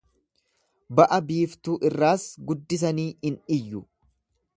Ba'a-biiftuu irraas guddisanii in iyyu.